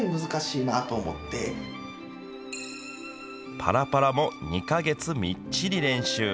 パラパラも２か月みっちり練習。